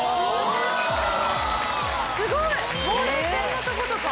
すごい！ほうれい線のとことか。